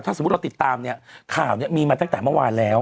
สมมุติเราติดตามเนี่ยข่าวมีมาตั้งแต่เมื่อวานแล้ว